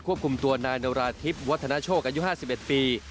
คุมตัวนายนราธิบวัฒนาโชคอายุ๕๑ปี